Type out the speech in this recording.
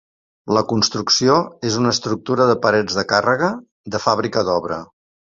La construcció és una estructura de parets de càrrega, de fàbrica d’obra.